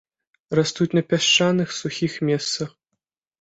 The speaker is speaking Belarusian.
Растуць на пясчаных сухіх месцах.